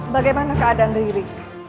bagaimana keadaan riri